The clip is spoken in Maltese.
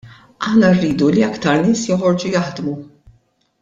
Aħna rridu li aktar nies joħorġu jaħdmu.